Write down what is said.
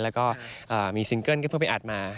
แล้วก็มีซิงเกิ้ลก็เพิ่งไปอัดมา